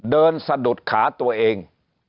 สะดุดขาตัวเอง